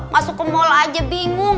masuk ke mall aja bingung